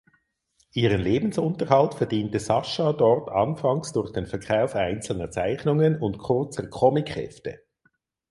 Ihren Lebensunterhalt verdiente Sasha dort anfangs durch den Verkauf einzelner Zeichnungen und kurzer Comichefte.